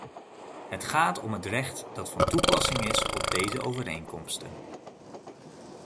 Het gaat om het recht dat van toepassing is op deze overeenkomsten.